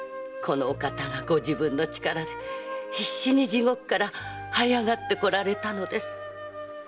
このお方がご自分の力で必死に地獄から這い上がってこられたのです。